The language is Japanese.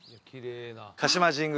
鹿島神宮